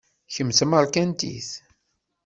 Kemm d tameṛkantit.